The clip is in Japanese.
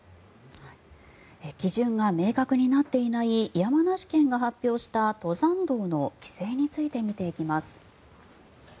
基準が明確になっていない山梨県が発表した登山道の規制について見ていきます。